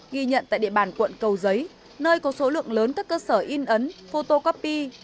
ghi nhận tại địa bàn quận cầu giấy nơi có số lượng lớn các cơ sở in ấn photocopy